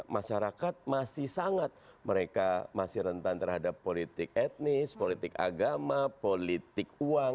masyarakat masih sangat mereka masih rentan terhadap politik etnis politik agama politik uang